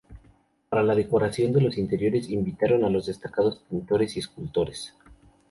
Para la decoración de los interiores invitaron a los destacados pintores y escultores.